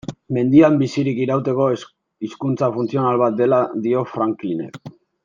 Mendian bizirik irauteko hizkuntza funtzional bat dela dio Franklinek.